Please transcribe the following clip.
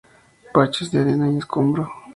Parches de arena y escombro.